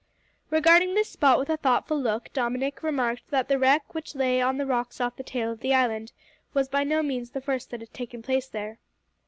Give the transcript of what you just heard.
Regarding this spot with a thoughtful look, Dominick remarked that the wreck which lay on the rocks off the tail of the island was by no means the first that had taken place there.